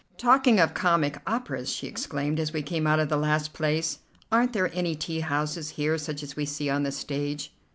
"Talking of comic operas," she exclaimed as we came out of the last place, "Aren't there any tea houses here, such as we see on the stage?"